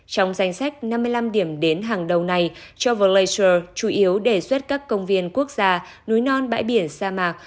trong danh sách năm mươi năm điểm đến hàng đầu này travel laser chủ yếu đề xuất các công viên quốc gia núi non bãi biển sa mạc